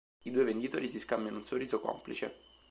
I due venditori si scambiano un sorriso complice.